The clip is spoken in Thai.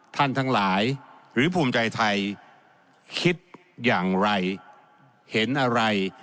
ทั้งหลายหรือภูมิใจไทยคิดอย่างไรเห็นอะไร